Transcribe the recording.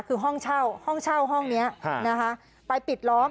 คือห้องเช่าห้องเช่าห้องนี้นะคะไปปิดล้อม